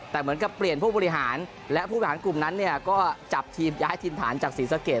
แต่เหมือนกับเปลี่ยนผู้บริหารและผู้บริหารกลุ่มนั้นเนี่ยก็จับทีมย้ายถิ่นฐานจากศรีสะเกด